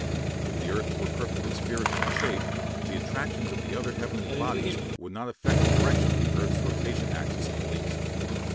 If the earth were perfectly spherical in shape, the attractions of the other heavenly bodies would not affect the direction of the earth's rotation axis in the least.